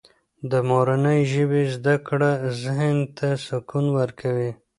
د مورنۍ ژبې زده کړه ذهن ته سکون ورکوي.